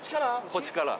こっちから。